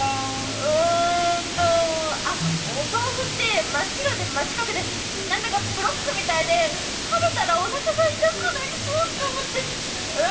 うんとあっおとうふってまっ白でま四角でなんだかブロックみたいで食べたらおなかがいたくなりそうと思ってうわ！